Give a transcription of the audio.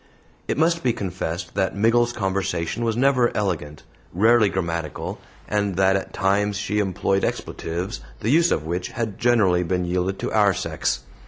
It must be confessed that Miggles's conversation was never elegant, rarely grammatical, and that at times she employed expletives the use of which had generally been yielded to our sex.